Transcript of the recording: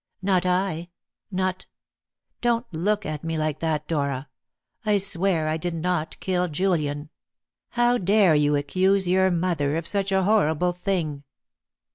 Not I not Don't look at me like that, Dora. I swear I did not kill Julian. How dare you accuse your mother of such a horrible thing!"